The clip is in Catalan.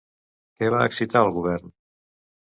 Què va excitar el govern?